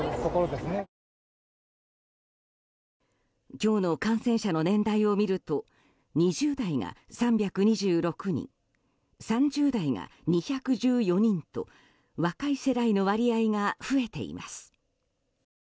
今日の感染者の年代を見ると２０代が３２６人３０代が２１４人と若い世代の割合が増えています。